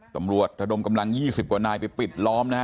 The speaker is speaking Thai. ตำรวจระดมกำลัง๒๐กว่านายไปปิดล้อมนะฮะ